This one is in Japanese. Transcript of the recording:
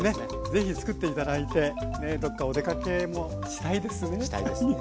ぜひ作って頂いてどっかお出かけもしたいですね。